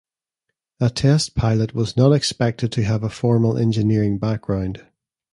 A test pilot was not expected to have a formal engineering background.